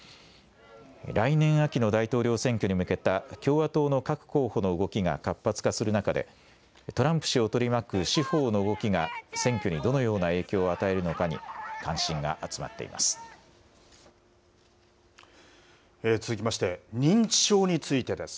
来年秋の大統領選挙に向けた共和党の各候補の動きが活発化する中で、トランプ氏をとりまく司法の動きが選挙にどのような影響を与える続きまして、認知症についてです。